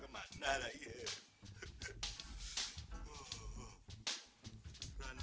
masih ada orang orang